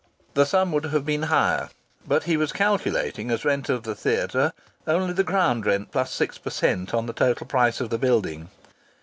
The sum would have been higher, but he was calculating as rent of the theatre only the ground rent plus six per cent on the total price of the building.